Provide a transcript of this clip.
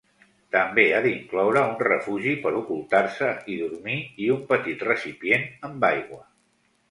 També ha d'incloure un refugi per ocultar-se i dormir i un petit recipient amb aigua.